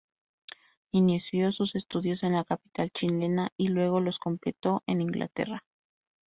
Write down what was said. Inició sus estudios en la capital chilena y luego los completo en Inglaterra.